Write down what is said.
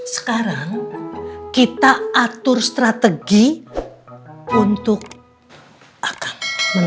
sekarang kita atur strategi untuk akan menang